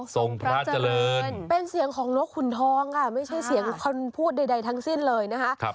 พระเจริญเป็นเสียงของนกขุนทองค่ะไม่ใช่เสียงคนพูดใดทั้งสิ้นเลยนะคะ